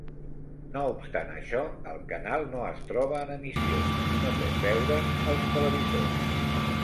No obstant això, el canal no es troba en emissió i no pot veure's als televisors.